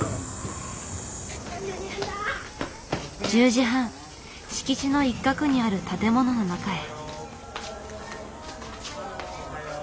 １０時半敷地の一角にある建物の中へ。